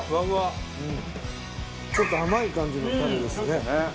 ちょっと甘い感じのタレですね。